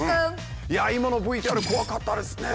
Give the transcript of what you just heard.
今のＶＴＲ怖かったですね。